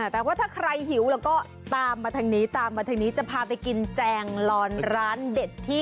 แต่ว่าถ้าใครหิวแล้วก็ตามมาทางนี้ตามมาทางนี้จะพาไปกินแจงลอนร้านเด็ดที่